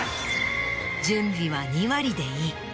準備は２割でいい。